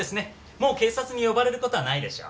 もう警察に呼ばれる事はないでしょう。